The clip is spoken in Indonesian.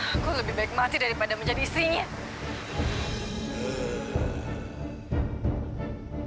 aku lebih baik mati daripada menjadi istrinya